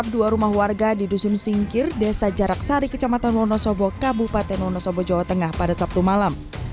dua rumah warga di dusun singkir desa jarak sari kecamatan wonosobo kabupaten wonosobo jawa tengah pada sabtu malam